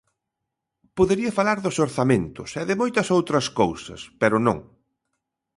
Podería falar dos orzamentos e de moitas outras cousas, pero non.